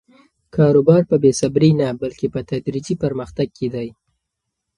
کاروبار په بې صبري نه، بلکې په تدریجي پرمختګ کې دی.